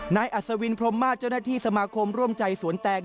อัศวินพรมมาตรเจ้าหน้าที่สมาคมร่วมใจสวนแตง